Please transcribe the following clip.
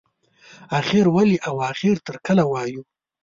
اخر ولې او اخر تر کله وایو.